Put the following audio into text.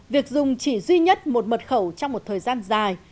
việc dùng chỉ duy nhất một mật khẩu trong một thời gian dài